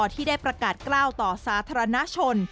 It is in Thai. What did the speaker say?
ที่ได้ประกาศกล้าวต่อสาธารณชน